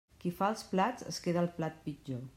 Qui fa els plats es queda el plat pitjor.